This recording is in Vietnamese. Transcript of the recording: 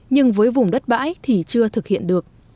nhưng với vùng đất bãi thì chưa thực hiện được